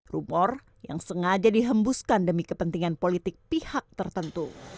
rumor yang sengaja dihembuskan demi kepentingan politik pihak tertentu